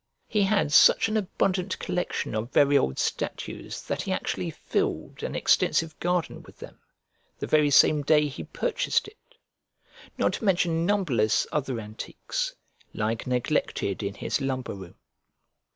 He had such an abundant collection of very old statues that he actually filled an extensive garden with them, the very same day he purchased it; not to mention numberless other antiques, lying neglected in his lumber room.